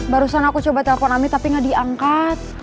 barusan aku coba telepon ami tapi gak diangkat